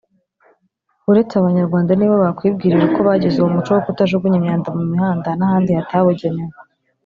uretse abanyarwanda nibo bakwibwirira uko bagize uwo muco wo kutajugunya imyanda mu mihanda n’ahandi hatabugenewe